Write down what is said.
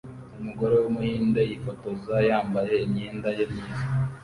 Umugore wumuhinde yifotoza yambaye imyenda ye myiza